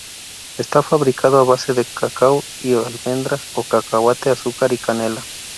Está fabricado a base de cacao y almendras o cacahuete, azúcar y canela.